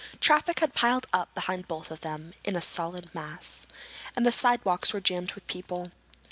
Traffic had piled up behind both of them, in a solid mass. And the sidewalks were jammed with people.